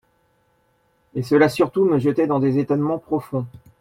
Et cela surtout me jetait dans des etonnements profonds.